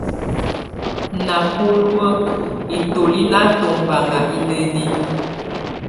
Na buluek itóli na toband ineni.